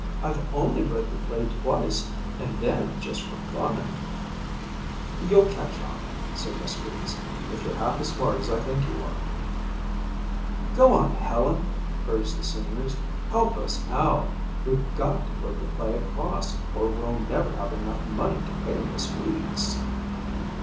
"I've only read the play twice and then just for fun." "You'll catch on," said Miss Weeks, "if you're half as smart as I think you are." "Go on, Helen," urged the seniors. "Help us out. We've got to put the play across or we'll never have enough money to pay Miss Weeks."